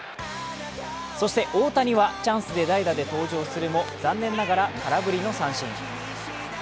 そして大谷はチャンスで代打で登場するも残念ながら空振りの三振。